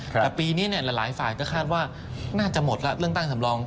แต่ปีนี้หลายฝ่ายก็คาดว่าน่าจะหมดแล้วเรื่องตั้งสำรอง